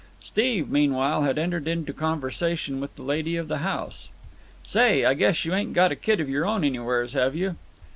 Steve, meanwhile had entered into conversation with the lady of the house. "Say, I guess you ain't got a kid of your own anywheres, have you?"